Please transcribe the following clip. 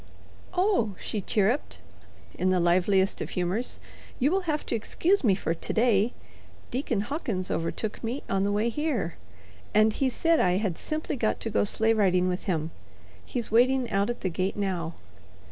"Oh," she chirruped, in the liveliest of humors, "you will have to excuse me for to day. Deacon Hawkins overtook me on the way here, and here said I had simply got to go sleigh riding with him. He's waiting out at the gate now."